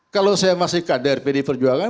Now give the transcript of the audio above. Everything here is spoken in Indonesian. kalau saya masih kader pdi perjuangan